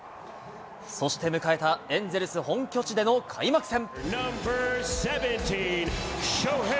そして迎えたエンゼルス本拠地での開幕戦。